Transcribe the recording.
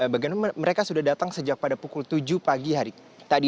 bagaimana mereka sudah datang sejak pada pukul tujuh pagi hari tadi